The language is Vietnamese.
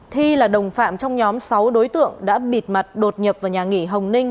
thi là đồng phạm trong nhóm sáu đối tượng đã bịt mặt đột nhập vào nhà nghỉ hồng ninh